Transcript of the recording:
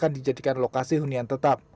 akan dijadikan lokasi hunian tetap